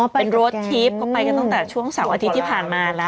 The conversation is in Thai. เป็นรถทริปก็ไปกันตั้งแต่ช่วงเสาร์อาทิตย์ที่ผ่านมาแล้ว